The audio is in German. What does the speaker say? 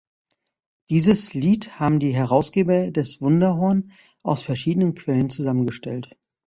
Dieses Lied haben die Herausgeber des "Wunderhorn" aus verschiedenen Quellen zusammengestellt.